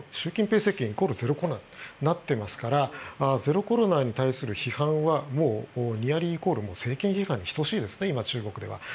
イコールゼロコロナになっていますからゼロコロナに対する批判はもうニアリーイコール政権批判に等しいですね、中国では。